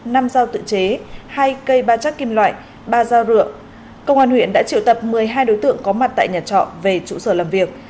năm dao tự chế hai cây ba chắc kim loại ba dao rượu công an huyện đã triệu tập một mươi hai đối tượng có mặt tại nhà trọ về trụ sở làm việc